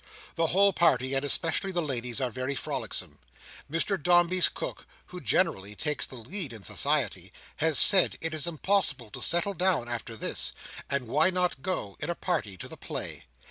The whole party, and especially the ladies, are very frolicsome. Mr Dombey's cook, who generally takes the lead in society, has said, it is impossible to settle down after this, and why not go, in a party, to the play?